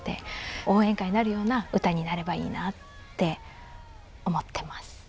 応援歌になるような歌になればいいなって思ってます。